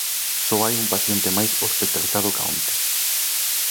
Só hai un paciente máis hospitalizado ca onte.